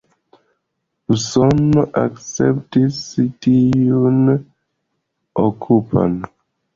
Usono akceptis tiun okupon.